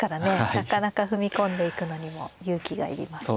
なかなか踏み込んでいくのにも勇気がいりますね。